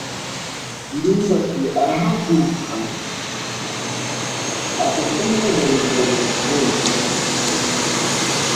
ndimbati arahaguruka ava ku meza yinjira mu gikoni.